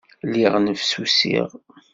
Lliɣ nnefsusiɣ.